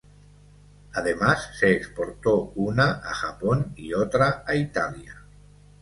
Además, se exportó una a Japón y otra a Italia.